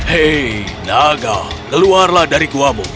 hei naga keluarlah dari gua mu